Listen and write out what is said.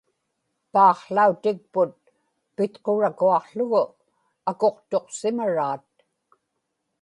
paaqłautikput pitqurakuaqługu akuqtuqsimaraat